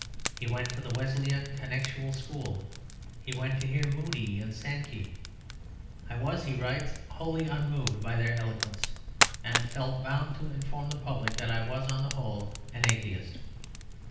He went to the Wesleyan Connexional School. He went to hear Moody and Sankey. "I was," he writes, "wholly unmoved by their eloquence; and felt bound to inform the public that I was, on the whole, an atheist.